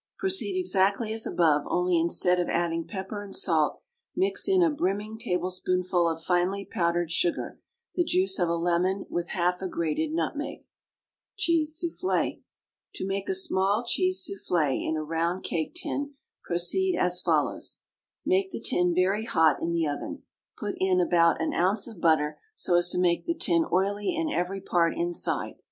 Proceed exactly as above, only instead of adding pepper and salt mix in a brimming tablespoonful of finely powdered sugar, the juice of a lemon, with half a grated nutmeg. CHEESE SOUFFLE. To make a small cheese souffle in a round cake tin, proceed as follows: Make the tin very hot in the oven. Put in about an ounce of butter, so as to make the tin oily in every part inside.